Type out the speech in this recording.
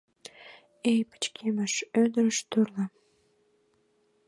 Эй, пычкемыш, ӧрдыш торло